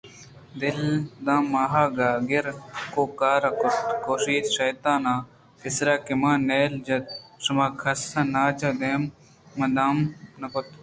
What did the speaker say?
داں ماہیگ گِر ءَ کُوکار کُت ءُ گوٛشت ”شیطاناں! پیسرا کہ من نل جَت شماکسّ ءَ ناچ ءُ دم دمانہ نہ کُت